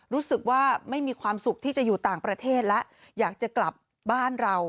รู้สึกว่าไม่มีความสุขที่จะอยู่ต่างประเทศแล้วอยากจะกลับบ้านเรา